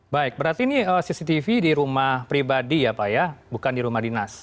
baik berarti ini cctv di rumah pribadi ya pak ya bukan di rumah dinas